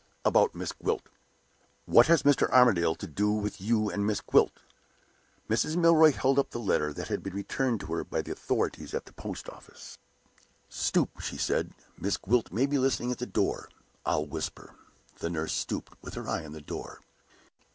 "About Miss Gwilt." "What has Mr. Armadale to do with you and Miss Gwilt?" Mrs. Milroy held up the letter that had been returned to her by the authorities at the Post office. "Stoop," she said. "Miss Gwilt may be listening at the door. I'll whisper." The nurse stooped, with her eye on the door.